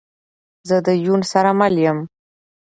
زه ده یون سره مل یم